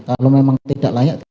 kalau memang tidak layak